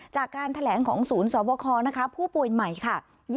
จากการแถลงของศูนย์สวบคผู้ป่วยใหม่ค่ะ